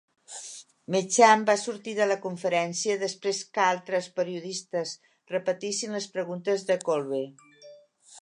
Mecham va sortir de la conferència després que altres periodistes repetissin les preguntes de Kolbe.